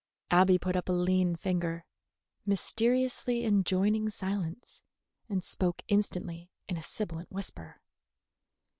Abby put up a lean finger, mysteriously enjoining silence, and spoke instantly in a sibilant whisper.